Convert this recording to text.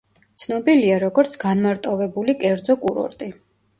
ცნობილია როგორც განმარტოვებული კერძო კურორტი.